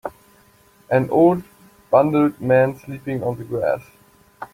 An old bundled man sleeping on the grass